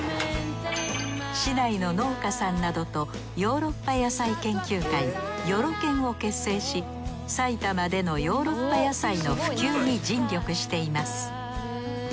市内の農家さんなどとヨーロッパ野菜研究会ヨロ研を結成し埼玉でのヨーロッパ野菜の普及に尽力しています。